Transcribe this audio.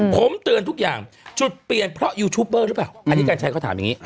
ผมเตือนทุกอย่างจุดเปลี่ยนเพราะ